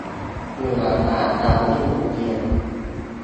เหมืองอาจจะไม่หมุนเวียน